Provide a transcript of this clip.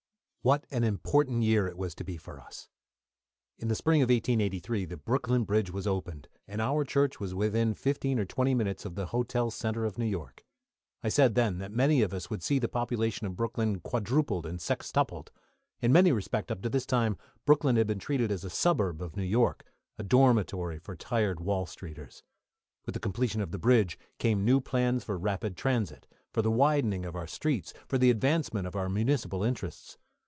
What an important year it was to be for us! In the spring of 1883 the Brooklyn bridge was opened, and our church was within fifteen or twenty minutes of the hotel centre of New York. I said then that many of us would see the population of Brooklyn quadrupled and sextupled. In many respects, up to this time, Brooklyn had been treated as a suburb of New York, a dormitory for tired Wall Streeters. With the completion of the bridge came new plans for rapid transit, for the widening of our streets, for the advancement of our municipal interests.